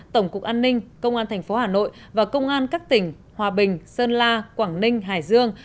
tổng cục an ninh công an thành phố hà nội và công an các tỉnh hòa bình sơn la quảng ninh hải dương